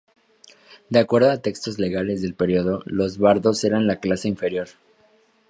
De acuerdo a textos legales del periodo, los bardos eran la clase inferior.